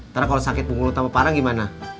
ternyata kalau sakit bunga lo tambah parah gimana